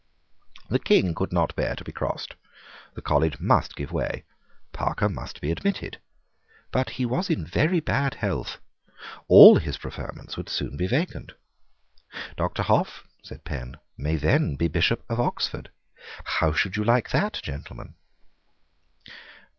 The King could not bear to be crossed. The college must give way. Parker must be admitted. But he was in very bad health. All his preferments would soon be vacant. "Doctor Hough," said Penn, "may then be Bishop of Oxford. How should you like that, gentlemen?"